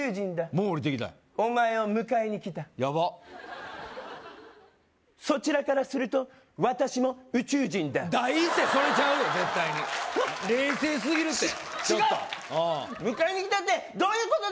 もう降りてきたお前を迎えに来たヤバッそちらからすると私も宇宙人だ第一声それちゃうよ絶対に冷静すぎるってはっち違う迎えに来たってどういうことですか